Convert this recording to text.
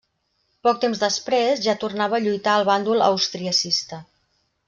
Poc temps després ja tornava a lluitar al bàndol austriacista.